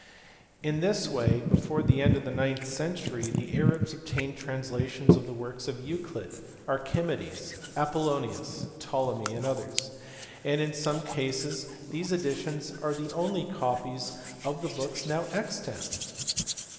In this way before the end of the ninth century the Arabs obtained translations of the works of Euclid, Archimedes, Apollonius, Ptolemy, and others ; and in some cases these editions are the only copies of the books now extant.